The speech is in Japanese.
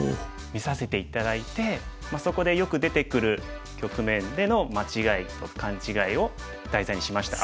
見させて頂いてそこでよく出てくる局面での間違いと勘違いを題材にしました。